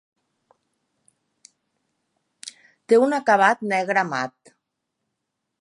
Té un acabat negre mat.